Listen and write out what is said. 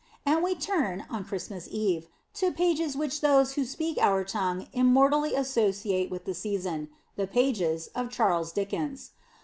And we turn, on Christmas Eve, to pages which those who speak our tongue immortally associate with the season the pages of Charles Dickens.